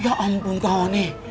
ya ampun kawan